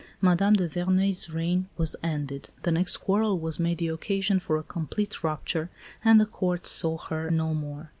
Madame de Verneuil's reign was ended; the next quarrel was made the occasion for a complete rupture, and the Court saw her no more.